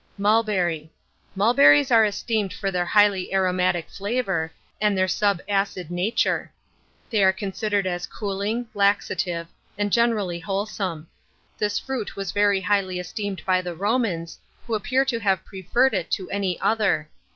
] MULBERRY. Mulberries are esteemed for their highly aromatic flavour, and their sub acid nature. They are considered as cooling, laxative, and generally wholesome. This fruit was very highly esteemed by the Romans, who appear to have preferred it to every other.